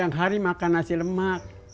yang hari makan nasi lemak